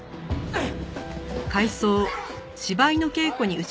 はい。